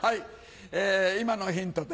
今のヒントで。